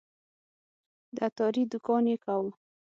د عطاري دوکان یې کاوه.